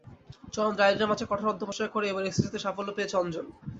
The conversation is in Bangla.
চরম দারিদ্র্যের মাঝে কঠোর অধ্যবসায় করে এবার এসএসসিতে সাফল্য পেয়েছে অঞ্জন।